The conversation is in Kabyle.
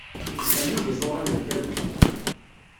Ittqellib iẓuṛan n tagut.